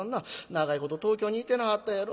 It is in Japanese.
長いこと東京にいてなはったやろ。